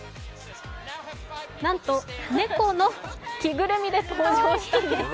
なんと猫の着ぐるみで登場したんです。